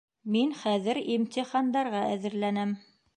Мин хәҙер имтихандарға әҙерләнәм